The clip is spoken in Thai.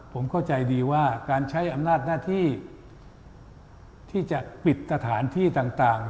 ผมเข้าใจดีว่าการใช้อำนาจหน้าที่ที่จะปิดสถานที่ต่าง